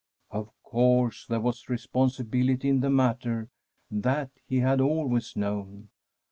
Of course there was responsibility in the matter; that he had always known.